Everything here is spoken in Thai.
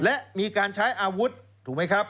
และมีการใช้อาวุธถูกไหมครับ